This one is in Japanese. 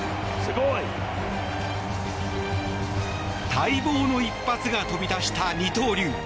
待望の一発が飛び出した二刀流。